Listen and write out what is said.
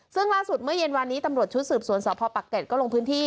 ซึ่งล่าสุดเมื่อเย็นวานนี้ตำรวจชุดสืบสวนสพปักเกร็ดก็ลงพื้นที่